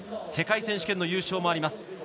世界選手権の優勝もあります。